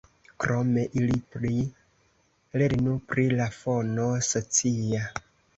Krome ili pli lernu pri la fono socia.